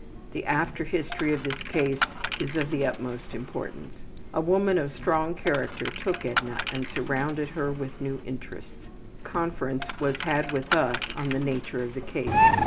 The after history of this case is of the utmost importance. A woman of strong character took Edna and surrounded her with new interests. Conference was had with us on the nature of the case.